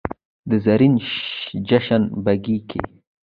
د زرین جشن بګۍ کې